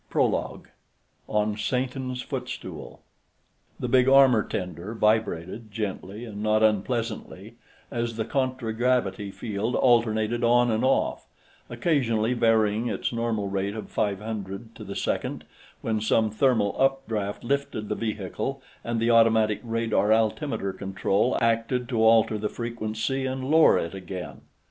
PROLOGUE On Satan's Footstool The big armor tender vibrated, gently and not unpleasantly, as the contragravity field alternated on and off, occasionally varying its normal rate of five hundred to the second when some thermal updraft lifted the vehicle and the automatic radar altimeter control acted to alter the frequency and lower it again.